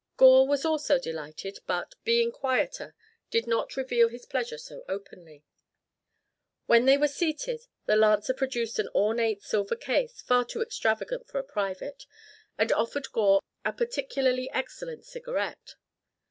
Gore was also delighted, but, being quieter, did not reveal his pleasure so openly. When they were seated, the lancer produced an ornate silver case, far too extravagant for a private, and offered Gore a particularly excellent cigarette.